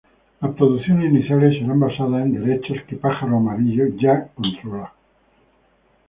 Las producciones iniciales serán basadas en derechos que Pájaro Amarillo ya controles.